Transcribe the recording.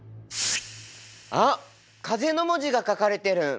あっ風の文字が書かれてる！